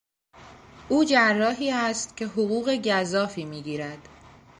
او جراحی است که حقوق گزافی میگیرد.